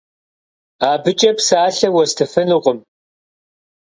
Абыкӏэ псалъэ уэстыфынукъым.